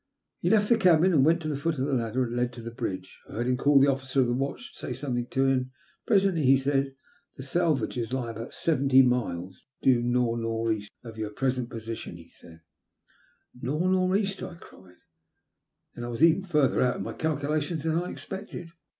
He left the cabin, and went to the foot of the ladder that led to the bridge. I heard him call the officer of the watch, and say something to him. Presently he returned. The Salvages lie about seventy miles due nor' nor' east of our present position/' he said. 202 THE LUST OF HITB. " Nor' nor' east ?" I cried. "Then I was even farther out in my calculations than I expected."